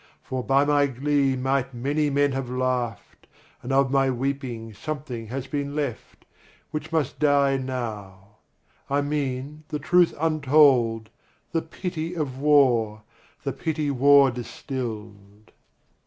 For by my glee might many men have laughed, And of my weeping something has been left, Which must die now. I mean the truth untold, The pity of war, the pity war distilled.